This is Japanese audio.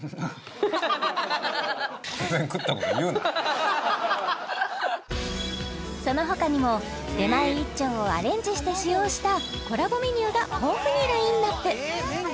うんそのほかにも出前一丁をアレンジして使用したコラボメニューが豊富にラインナップ